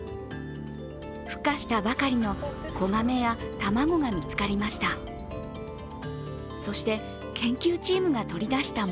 ふ化したばかりの子ガメや卵が見つかりました。